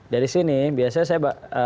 dari sini biasanya saya